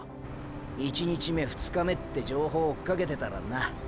１日目２日目って情報追っかけてたらな。